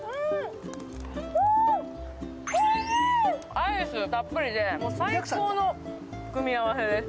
アイスたっぷりで、もう最高の組み合わせです。